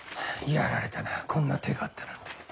やられたなこんな手があったなんて。